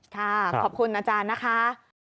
ขอบคุณอาจารย์นะคะ